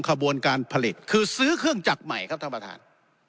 ขบวนการผลิตคือซื้อเครื่องจักรใหม่ครับท่านประธาน